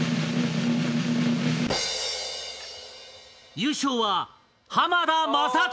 優勝は浜田雅功。